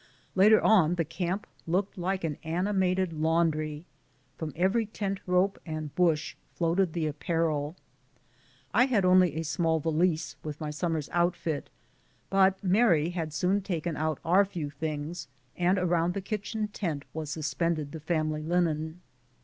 Later on the camp looked like an animated laundry. From every tent rope and bush floated the apparel. I had only a small valise for my summer's outfit, but Mary had soon taken out our few things, and around the kitchen tent was suspended the family linen.